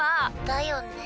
だよね。